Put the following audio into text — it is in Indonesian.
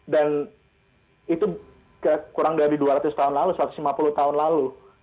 dan itu kurang dari dua ratus tahun lalu satu ratus lima puluh tahun lalu